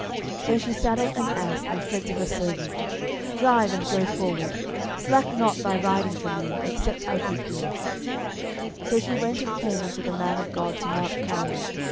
12:004:024 Then she saddled an ass, and said to her servant, Drive, and go forward; slack not thy riding for me, except I bid thee. 12:004:025 So she went and came unto the man of God to mount Carmel.